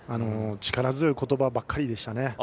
力強い言葉ばかりでしたね。